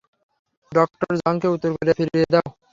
Doctor Jung কে উত্তর কোরিয়ায় ফিরিয়ে দাও!